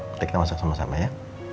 mari kita masak sama sama ya